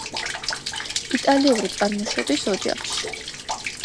იტალიური წარმოშობის ოჯახში.